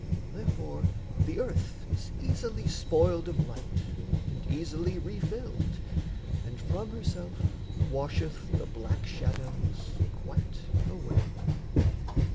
Therefore the earth is easily spoiled of light And easily refilled and from herself Washeth the black shadows quite away.